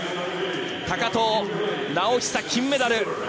高藤直寿、金メダル！